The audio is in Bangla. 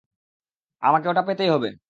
আমাকে ওটা পেতেই হবে!